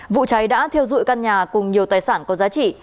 vụ cháy đã thiêu dụi căn nhà cùng nhiều tài sản có giá trị